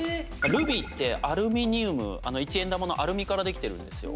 ルビーってアルミニウム一円玉のアルミからできてるんですよ。